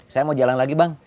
saya mau jalan lagi bang